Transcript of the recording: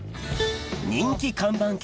人気看板犬